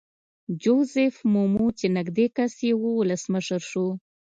جوزیف مومو چې نږدې کس یې وو ولسمشر شو.